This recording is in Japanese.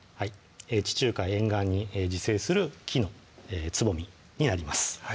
地中海沿岸に自生する木のつぼみになります